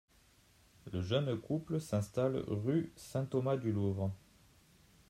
Le jeune couple s'installe rue Saint-Thomas-du-Louvre.